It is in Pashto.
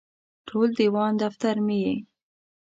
ټول دیوان دفتر مې یې